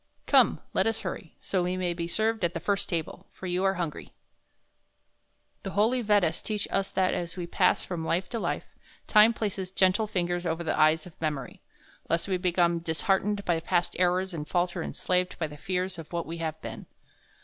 "Come, let us hurry, so we may be served at the first table, for you are hungry." II The holy Vedas teach us that as we pass from life to life, Time places gentle fingers over the eyes of memory, lest we become disheartened by past errors and falter enslaved by the fears of what we have been.